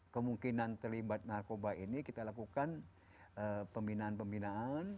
kemungkinan terlibat narkoba ini kita lakukan pembinaan pembinaan